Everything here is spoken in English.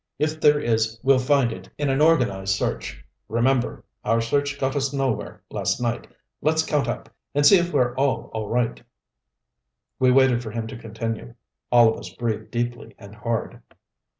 If there is we'll find it in an organized search. Remember our search got us nowhere last night. Let's count up, and see if we're all all right." We waited for him to continue. All of us breathed deeply and hard.